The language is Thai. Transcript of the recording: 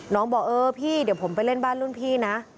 บอกเออพี่เดี๋ยวผมไปเล่นบ้านรุ่นพี่นะ